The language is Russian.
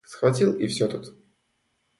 Схватил и всё тут.